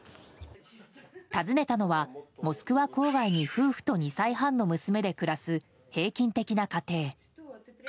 訪ねたのはモスクワ郊外に夫婦と２歳半の娘で暮らす平均的な家庭。